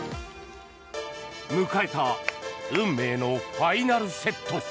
迎えた運命のファイナルセット。